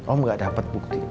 om enggak dapat bukti